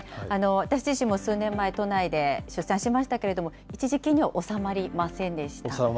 私自身も数年前、都内で出産しましたけども、一時金には収まりませんでした。